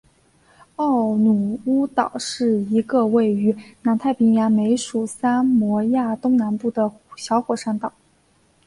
奥努乌岛是一个位于南太平洋美属萨摩亚东南部的小火山岛。